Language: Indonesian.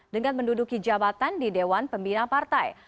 dengan menduduki jabatan di dewan pembina partai